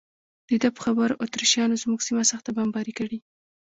د ده په خبره اتریشیانو زموږ سیمه سخته بمباري کړې.